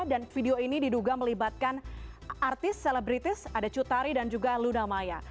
dan video ini diduga melibatkan artis selebritis ada cutari dan juga luna maya